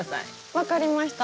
分かりました。